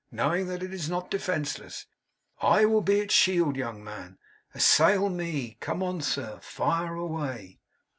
Know that it is not defenceless. I will be its shield, young man. Assail me. Come on, sir. Fire away!